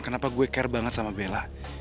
kenapa gue care banget sama bella